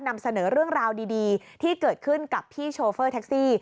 นำเสนอเรื่องราวดีที่เกิดขึ้นกับพี่โชเฟอร์แท็กซี่